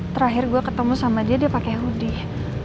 terakhir gue ketemu sama dia dia pakai hoodie